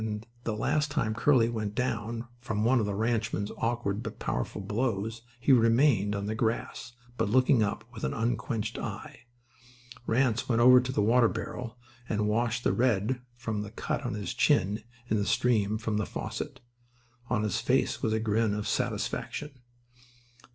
The last time Curly went down from one of the ranchman's awkward but powerful blows he remained on the grass, but looking up with an unquenched eye. Ranse went to the water barrel and washed the red from a cut on his chin in the stream from the faucet. On his face was a grin of satisfaction.